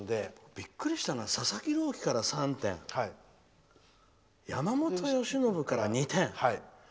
びっくりしたのは佐々木朗希から３点山本由伸から２点。